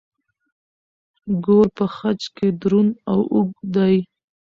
ګور په خج کې دروند او اوږد دی.